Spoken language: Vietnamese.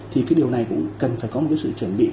thì cái điều này cũng cần phải có một cái sự chuẩn bị